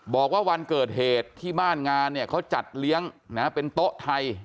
บอกว่าวันเกิดเหตุที่บ้านงานเนี่ยเขาจัดเลี้ยงเป็นโต๊ะไทย